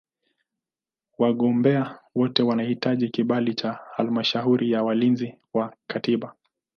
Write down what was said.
Wagombea wote wanahitaji kibali cha Halmashauri ya Walinzi wa Katiba.